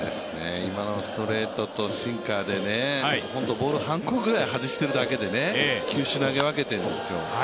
今のストレートとシンカーで本当、ボール半個ぐらい外しているだけで球種を投げ分けてるんですよ。